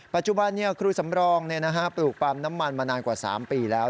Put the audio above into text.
ปัจจุบันครูสำรองปลูกปั๊มน้ำมันมานานกว่า๓ปีแล้ว